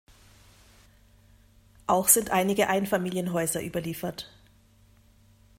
Auch sind einige Einfamilienhäuser überliefert.